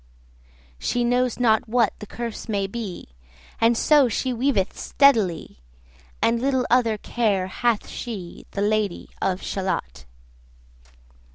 She knows not what the curse may be, And so she weaveth steadily, And little other care hath she, The Lady of Shalott.